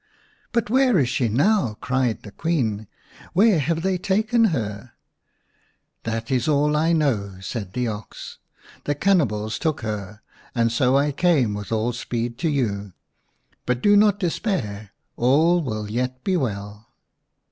" But where is she now ?" cried the Queen ;" where have they taken her ?" "That is all I know," said the ox. " The cannibals took her, and so I came with all speed to you. But do not despair ; all will yet be well."